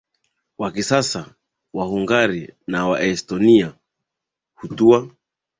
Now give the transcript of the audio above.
wa kisasa Wahungari na Waestonia Hatua